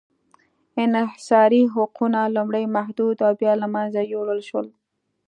انحصاري حقونه لومړی محدود او بیا له منځه یووړل شول.